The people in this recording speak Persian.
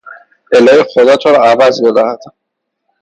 الهی خدا تو را عوض بدهد!